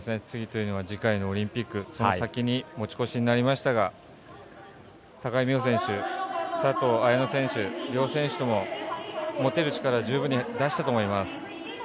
次というのは次回のオリンピックその先に持ち越しになりましたが高木美帆選手、佐藤綾乃選手両選手とも持てる力、十分に出したと思います。